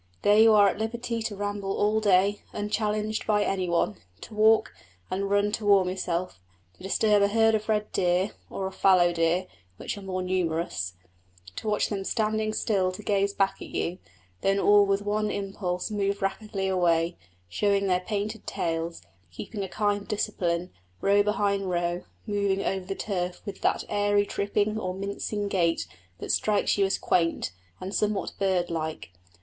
There you are at liberty to ramble all day unchallenged by any one; to walk, and run to warm yourself; to disturb a herd of red deer, or of fallow deer, which are more numerous; to watch them standing still to gaze back at you, then all with one impulse move rapidly away, showing their painted tails, keeping a kind of discipline, row behind row, moving over the turf with that airy tripping or mincing gait that strikes you as quaint and somewhat bird like.